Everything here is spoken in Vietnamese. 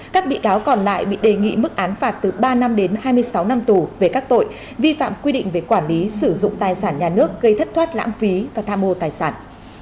các bị cáo còn lại bị đề nghị mức án phạt từ ba năm đến hai mươi sáu năm tù về các tội vi phạm quy định về quản lý sử dụng tài sản nhà nước gây thất thoát lãng phí và tham mô tài sản